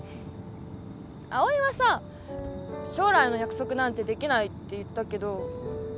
葵はさ将来の約束なんてできないって言ったけど